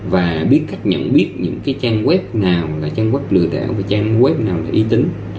và biết cách nhận biết những cái trang web nào là trang web lừa đảo và trang web nào là uy tín